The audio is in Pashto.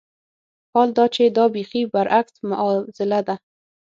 حال دا چې دا بېخي برعکس معاضله ده.